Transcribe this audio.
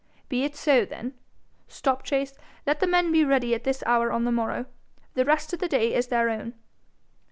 'Be it so, then. Stopchase, let the men be ready at this hour on the morrow. The rest of the day is their own.'